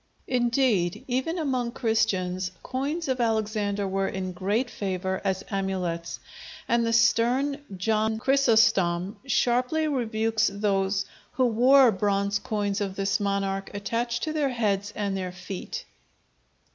Indeed, even among Christians coins of Alexander were in great favor as amulets, and the stern John Chrysostom sharply rebukes those who wore bronze coins of this monarch attached to their heads and their feet.